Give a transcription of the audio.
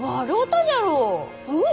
うん？